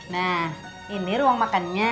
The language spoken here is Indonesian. nah ini ruang makannya